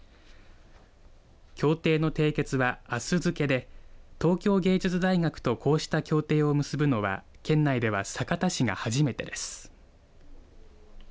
協定の締結はあす付けで東京芸術大学とこうした協定を結ぶのは県内では酒田市が初めてです。